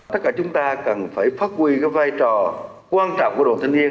tất cả chúng ta cần phải phát huy cái vai trò quan trọng của đoàn thanh niên